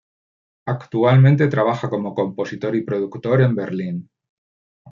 Actualmente trabaja como compositor y productor en Berlín.